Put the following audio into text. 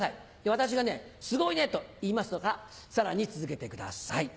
私が「すごいね」と言いますからさらに続けてください。